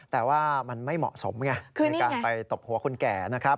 แต่ว่ามันไม่เหมาะสมไงในการไปตบหัวคนแก่นะครับ